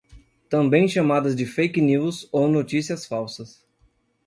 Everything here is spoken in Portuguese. Também chamadas de fake news ou notícias falsas